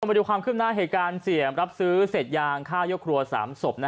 มาดูความขึ้นหน้าเหตุการณ์เสี่ยงรับซื้อเศษยางฆ่ายกครัว๓ศพ